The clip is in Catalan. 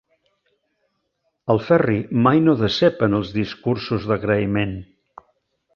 El Ferri mai no decep en els discursos d'agraïment.